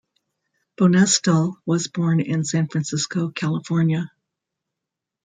Bonestell was born in San Francisco, California.